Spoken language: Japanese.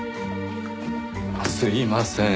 あっすいません。